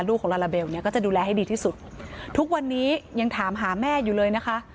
ของลาลาเบลเนี่ยก็จะดูแลให้ดีที่สุดทุกวันนี้ยังถามหาแม่อยู่เลยนะคะ